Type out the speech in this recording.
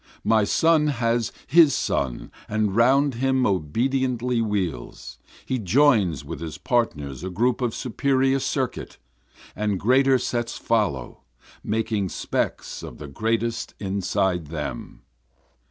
My sun has his sun and round him obediently wheels, He joins with his partners a group of superior circuit, And greater sets follow, making specks of the greatest inside them.